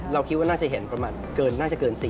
เราคิดว่าน่าจะเห็นประมาณเกิน๔